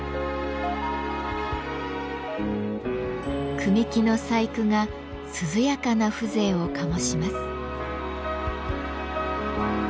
組木の細工が涼やかな風情を醸します。